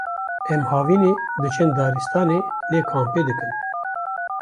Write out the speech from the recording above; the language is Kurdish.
em havînî diçin daristanê lê kampê dikin